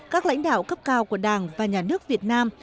các lãnh đạo cấp cao của đảng và nhà nước việt nam